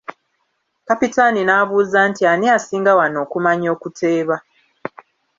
Kapitaani n'abuuza nti ani asinga wano okumanya okuteeba?